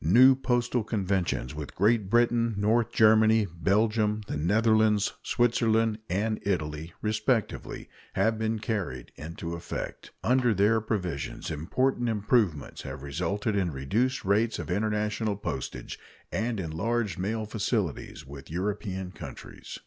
New postal conventions with Great Britain, North Germany, Belgium, the Netherlands, Switzerland, and Italy, respectively, have been carried into effect. Under their provisions important improvements have resulted in reduced rates of international postage and enlarged mail facilities with European countries.